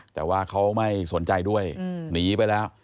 แต่ว่าเขาไม่สนใจด้วยหนีไปแล้ว